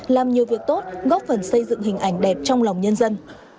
làm nhiều việc tốt góp phần xây dựng hình ảnh đẹp trong lòng nhân dân